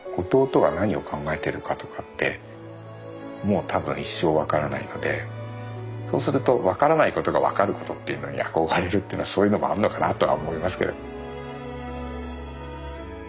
もう多分一生分からないのでそうすると分からないことが分かることっていうのに憧れるっていうのはそういうのもあんのかなとは思いますけれど。